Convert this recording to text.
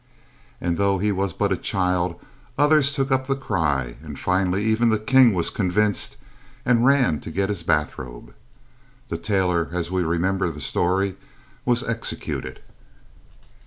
And though he was but a child others took up the cry, and finally even the king was convinced and ran to get his bathrobe. The tailor, as we remember the story, was executed.